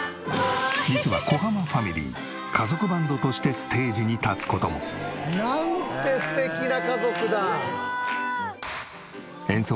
実は小濱ファミリー家族バンドとしてステージに立つ事も。なんて素敵な家族だ！